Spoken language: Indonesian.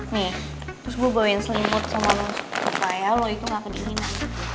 nih terus gue bawain selimut sama lo supaya lo itu gak kedinginan